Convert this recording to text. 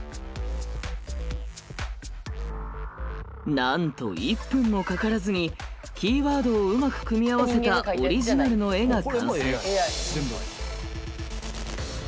なんと１分もかからずにキーワードをうまく組み合わせたオリジナルの絵が完成。